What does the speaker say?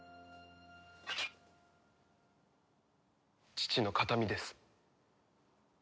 父の形見です。